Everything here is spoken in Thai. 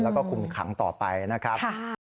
แล้วก็คุมขังต่อไปนะครับ